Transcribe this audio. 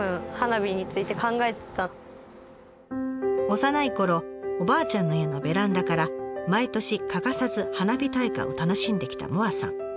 幼いころおばあちゃんの家のベランダから毎年欠かさず花火大会を楽しんできた萌彩さん。